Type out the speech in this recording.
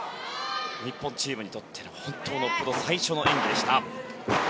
日本チームにとって最初の演技でした。